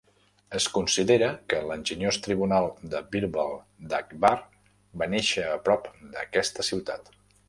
Es considera que l'enginyós tribunal de Birbal d'Akbar va néixer a prop d'aquesta ciutat.